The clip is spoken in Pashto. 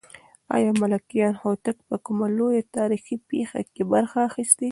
آیا ملکیار هوتک په کومه لویه تاریخي پېښه کې برخه اخیستې؟